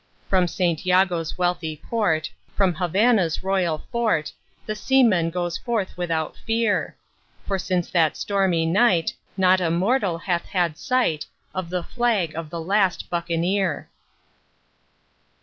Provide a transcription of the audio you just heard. From St Jago's wealthy port, from Havannah's royal fort, The seaman goes forth without fear; For since that stormy night not a mortal hath had sight Of the flag of the last Buccaneer.